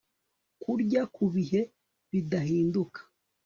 Kurya ku Bihe Bidahinduka